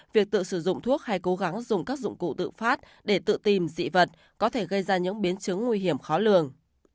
việc tự sử dụng thuốc hay cố gắng dùng các dụng cụ tự phát để tự tìm dị vật có thể gây ra những biến chứng nguy hiểm khó lường